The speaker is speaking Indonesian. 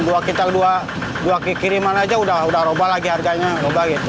dua kita dua kiriman aja udah roba lagi harganya roba gitu